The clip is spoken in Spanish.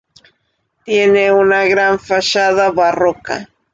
Tiene una gran fachada barroca.